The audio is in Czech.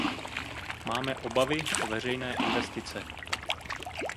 Máme obavy o veřejné investice.